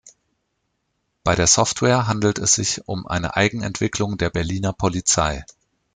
Bei der Software handelte es sich um eine Eigenentwicklung der Berliner Polizei.